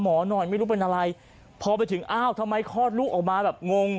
หมอหน่อยไม่รู้เป็นอะไรพอไปถึงอ้าวทำไมคลอดลูกออกมาแบบงง